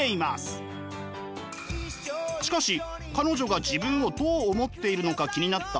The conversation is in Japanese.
しかし彼女が自分をどう思っているのか気になったＡさん。